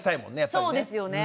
そうですよね。